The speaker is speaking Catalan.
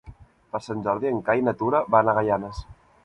Per Sant Jordi en Cai i na Tura van a Gaianes.